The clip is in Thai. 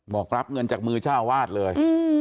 บอกรับเงินจากมือเจ้าวาดเลย